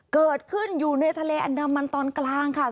เกิดขึ้นอยู่ในทะเลอันดามันตอนกลางค่ะ